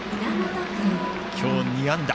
今日２安打。